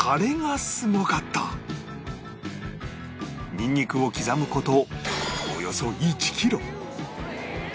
ニンニクを刻む事およそ１キロ